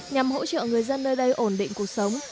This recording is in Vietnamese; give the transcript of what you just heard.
nhằm hỗ trợ người dân nơi đây ổn định cuộc sống